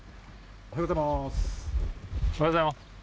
おはようございます。